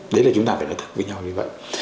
đấy là chúng ta phải nói thật với nhau như vậy